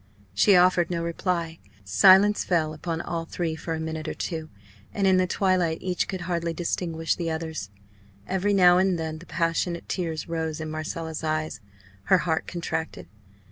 She offered no reply. Silence fell upon all three for a minute or two; and in the twilight each could hardly distinguish the others. Every now and then the passionate tears rose in Marcella's eyes; her heart contracted.